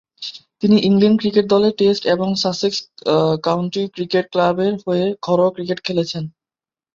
তিনি England cricket দলে test এবং সাসেক্স কাউন্টি ক্রিকেট ক্লাবের হয়ে ঘরোয়া ক্রিকেট খেলেছেন।